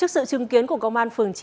trước sự chứng kiến của công an phường chín